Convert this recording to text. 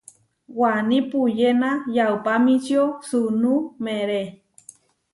Waní puyéna yaupamíčio suunú meeré.